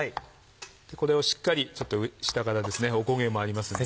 これをしっかりちょっと下からお焦げもありますので。